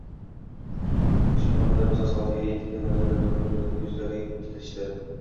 Shifoxona darvozasi oldiga etganlarida nogahon bir-birining yuzlariga tikilishdi